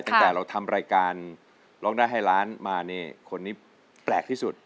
ตั้งแต่เราทำรายการร้องได้ให้ล้านมาเนี่ยคนนี้แปลกที่สุด